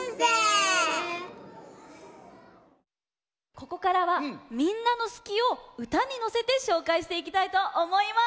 ここからはみんなの「すき」をうたにのせてしょうかいしていきたいとおもいます。